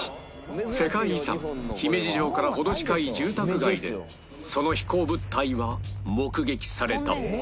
世界遺産姫路城から程近い住宅街でその飛行物体は目撃された